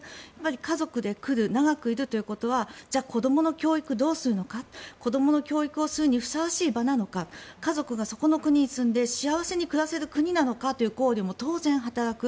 家族で来る、長くいるということは、子どもの教育をどうするのか子どもの教育をするのにふさわしい場なのか家族がそこの国に住んで幸せになれる国なのかという考慮も当然働く。